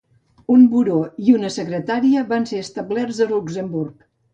Un buró i una secretaria van ser establerts a Luxemburg.